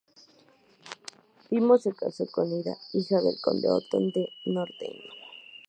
Timo se casó con Ida, hija del conde Otón de Nordheim.